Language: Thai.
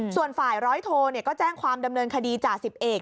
ส่วนฝ่ายร้อยโทก็แจ้งความดำเนินคดีจ่าสิบเอก